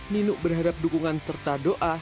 nunuk berharap dukungan serta doa